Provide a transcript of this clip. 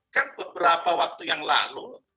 kan beberapa waktu yang lalu